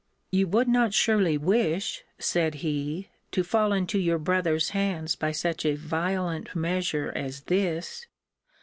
You would not surely wish, said he, to fall into your brother's hands by such a violent measure as this?